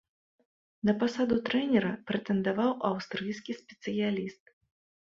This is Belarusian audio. На пасаду трэнера прэтэндаваў аўстрыйскі спецыяліст.